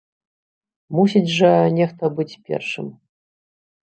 Мусіць жа нехта быць першым.